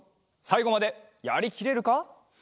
さいごまでやりきれるか？